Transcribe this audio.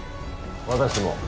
私も。